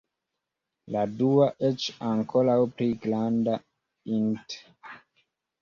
La dua, eĉ ankoraŭ pli granda int.